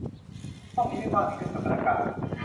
ห้องนี้ไม่ว่างในทุกสถานการณ์